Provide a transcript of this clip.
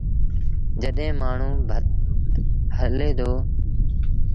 جڏهيݩ مآڻهوٚݩ ڀت هلي دو۔